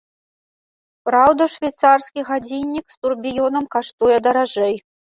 Праўда, швейцарскі гадзіннік з турбіёнам каштуе даражэй.